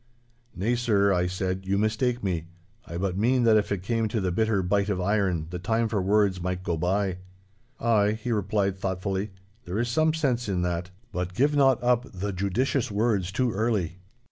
'Nay, sir,' I said, 'you mistake me. I but mean that if it came to the bitter bite of iron, the time for words might go by.' 'Ay,' he replied thoughtfully, 'there is some sense in that, but give not up the judicious words too early.